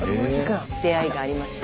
出会いがありました。